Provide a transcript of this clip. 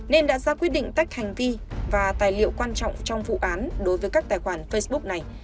nên đã ra quyết định tách hành vi và tài liệu quan trọng trong vụ án đối với các tài khoản facebook này